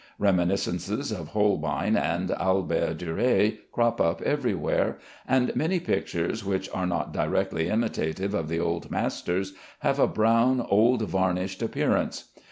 Reminiscences of Holbein and Albert Durer crop up everywhere, and many pictures which are not directly imitative of the old masters have a brown old varnished appearance.